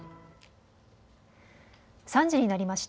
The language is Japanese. ３時になりました。